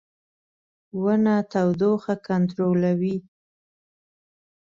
• ونه تودوخه کنټرولوي.